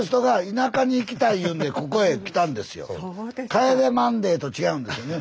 「帰れマンデー」と違うんですよね。